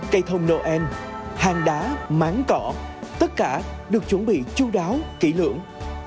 cây thông noel hàng đá máng cỏ tất cả được chuẩn bị chú đáo kỹ lưỡng